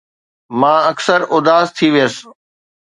مان اڪثر اداس ٿي ويس